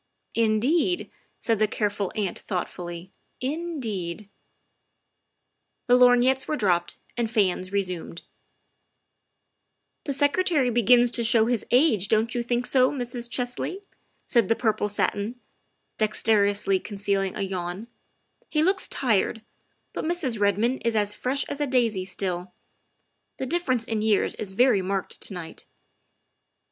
''" Indeed," said the careful aunt thoughtfully, " in deed I" The lorgnettes were dropped and fans resumed. THE SECRETARY OF STATE 51 " The Secretary begins to show his age, don't you think so, Mrs. Chesley?" said the purple satin, dex terously concealing a yawn ; "he looks tired, but Mrs. Redmond is as fresh as a daisy still. The difference in years is very marked to night."